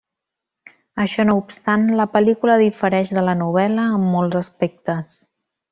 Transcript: Això no obstant, la pel·lícula difereix de la novel·la en molts aspectes.